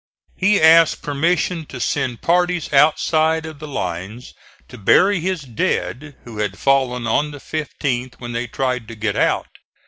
He asked permission to send parties outside of the lines to bury his dead, who had fallen on the 15th when they tried to get out.